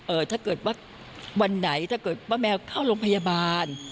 ถ้าเกิดว่าวันไหนถ้าเกิดป้าแมวเข้าโรงพยาบาล